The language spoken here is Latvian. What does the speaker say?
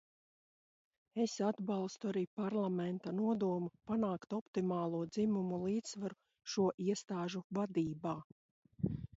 Es atbalstu arī Parlamenta nodomu panākt optimālo dzimumu līdzsvaru šo iestāžu vadībā.